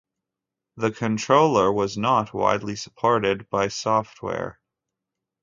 The controller was not widely supported by software.